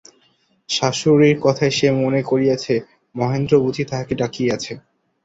শাশুড়ির কথায় সে মনে করিয়াছিল, মহেন্দ্র বুঝি তাহাকে ডাকিয়াছে।